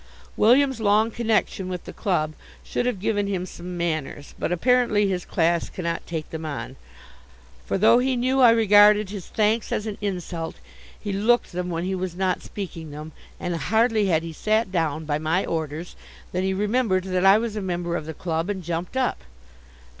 William's long connection with the club should have given him some manners, but apparently his class cannot take them on, for, though he knew I regarded his thanks as an insult, he looked them when he was not speaking them, and hardly had he sat down, by my orders, than he remembered that I was a member of the club, and jumped up.